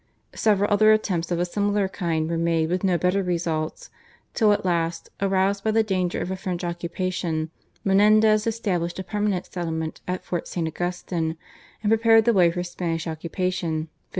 Several other attempts of a similar kind were made with no better results till at last, aroused by the danger of a French occupation, Menendez established a permanent settlement at Fort St. Augustine and prepared the way for Spanish occupation (1565).